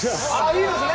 いいですね。